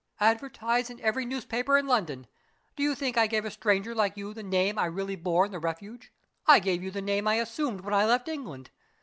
"Advertise in every newspaper in London. Do you think I gave a stranger like you the name I really bore in the Refuge? I gave you the name I assumed when I left England.